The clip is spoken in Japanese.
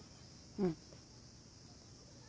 うん。